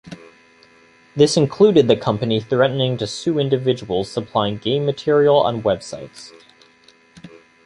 This included the company threatening to sue individuals supplying game material on websites.